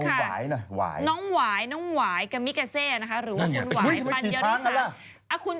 อีกสาวหนึ่งค่ะน้องหวายกระมิกาเซหรือว่าคุณหวายปัญญาใชน